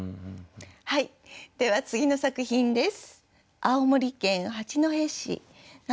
では次の作品です。